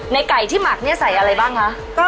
ไก่ที่หมักเนี่ยใส่อะไรบ้างคะ